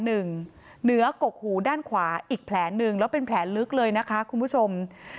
เหนือกกหูด้านขวาอีกแผลหนึ่งแล้วเป็นแผลลึกเลยนะคะคุณผู้ชม